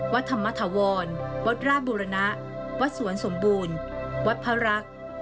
วัดธรรมถวรวัดราชบุรณะวัดสวนสมบูรณ์วัดพระรักษ์